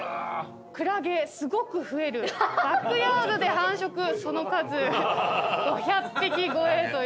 「クラゲすごく増える」「バックヤードで繁殖その数５００匹超え」ということで。